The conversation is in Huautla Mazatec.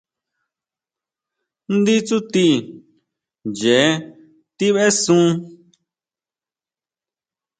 Ndí tsuti ʼnchee tibesun.